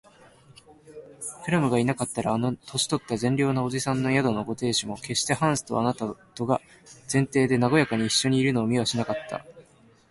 クラムがいなかったら、あの年とった善良な伯父さんの宿のご亭主も、けっしてハンスとあなたとが前庭でなごやかにいっしょにいるのを見はしなかった